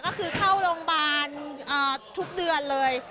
ก็คือเข้าโรงพยาบาลทุกเดือนเลย